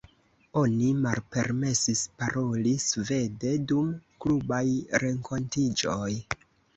Oni malpermesis paroli svede dum klubaj renkontiĝoj.